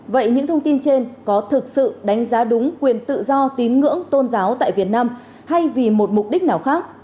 vậy những thông tin trên có thực sự đánh giá đúng quyền tự do tín ngưỡng tôn giáo tại việt nam hay vì một mục đích nào khác